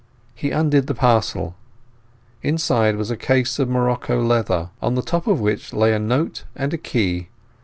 He undid the parcel. Inside was a case of morocco leather, on the top of which lay a note and a key.